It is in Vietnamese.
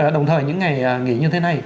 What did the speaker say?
đồng thời những ngày nghỉ như thế này